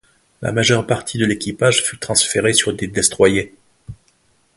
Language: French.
La majeure partie de l'équipage fut transféré sur des destroyers.